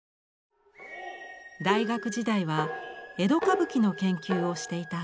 大学時代は江戸歌舞伎の研究をしていた朝吹さん。